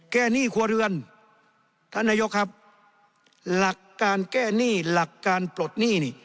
หนี้ครัวเรือนท่านนายกครับหลักการแก้หนี้หลักการปลดหนี้นี่